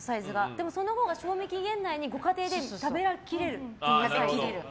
でも、そのほうが賞味期限内にご家庭で食べきれるサイズ。